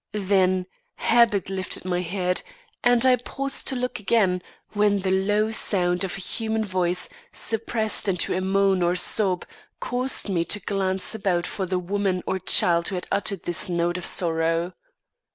Then habit lifted my head, and I paused to look again, when the low sound of a human voice, suppressed into a moan or sob, caused me to glance about for the woman or child who had uttered this note of sorrow.